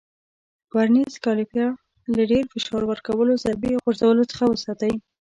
ورنیز کالیپر له ډېر فشار ورکولو، ضربې او غورځولو څخه وساتئ.